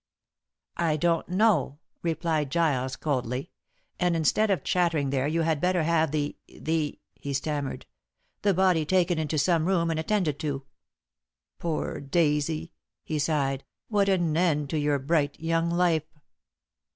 "I don't know," replied Giles coldly. "And instead of chattering there, you had better have the the " he stammered, "the body taken into some room and attended to. Poor Daisy," he sighed, "what an end to your bright young life!"